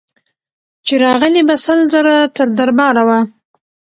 چي راغلې به سل ځله تر دربار وه